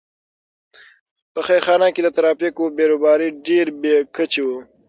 په خیرخانه کې د ترافیکو بېروبار ډېر بې کچې و.